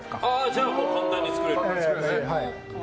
じゃあもう簡単に作れる。